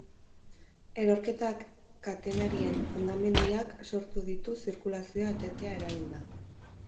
Erorketak, katenarian hondamendiak sortu ditu zirkulazioa etetea eraginda.